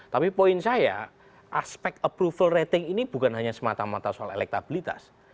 tapi poin saya aspek approval rating ini bukan hanya semata mata soal elektabilitas